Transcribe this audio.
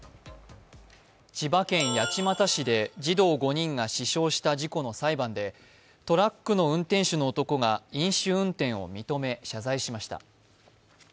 千葉県八街市で児童５人が死傷した事故の裁判でトラックの運転手の男が飲酒運転を認め謝罪しました。